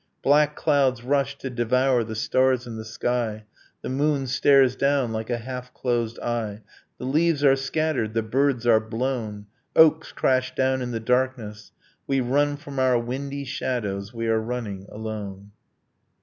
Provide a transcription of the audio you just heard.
Black clouds rush to devour the stars in the sky, The moon stares down like a half closed eye. The leaves are scattered, the birds are blown, Oaks crash down in the darkness, We run from our windy shadows; we are running alone.